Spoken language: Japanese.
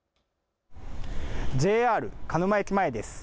ＪＲ鹿沼駅前です。